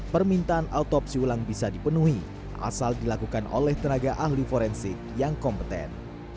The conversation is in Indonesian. permintaan autopsi ulang bisa dipenuhi asal dilakukan oleh tenaga ahli forensik yang kompeten